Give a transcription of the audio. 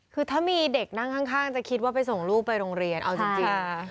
คือถ้ามีเด็กนั่งข้างจะคิดว่าไปส่งลูกไปโรงเรียนเอาจริง